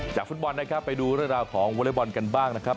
ฟุตบอลนะครับไปดูเรื่องราวของวอเล็กบอลกันบ้างนะครับ